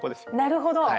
なるほど！